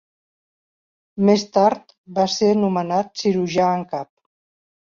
Més tard va ser nomenat cirurgià en cap.